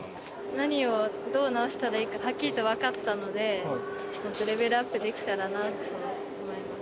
何をどう直したらいいか、はっきりと分かったので、もっとレベルアップできたらなと思います。